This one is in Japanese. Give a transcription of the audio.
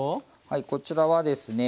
はいこちらはですね